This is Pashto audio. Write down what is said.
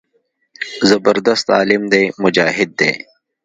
زبردست عالم دى مجاهد دى.